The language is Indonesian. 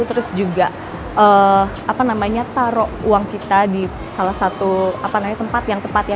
terus juga taruh uang kita di salah satu tempat yang tepat ya